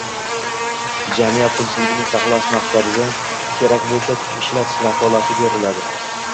jamiyat tinchligini saqlash maqsadida, kerak bo‘lsa kuch ishlatish vakolati beriladi